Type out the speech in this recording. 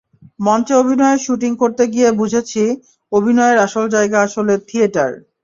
মঞ্চে অভিনয়ের শুটিং করতে গিয়ে বুঝেছি, অভিনয়ের আসল জায়গা আসলে থিয়েটার।